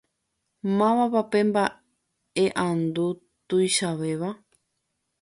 Mávapa pe mbaʼeʼandu tuichavéva?